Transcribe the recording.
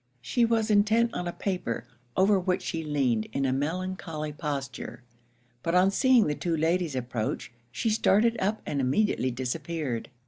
She was intent on a paper, over which she leaned in a melancholy posture; but on seeing the two ladies approach, she started up and immediately disappeared.